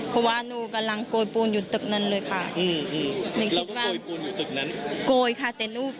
เพราะว่าหนูกำลังโกยปูนอยู่ตึกนั้นเลยค่ะ